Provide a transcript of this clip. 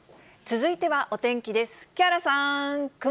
続いてはお天気です。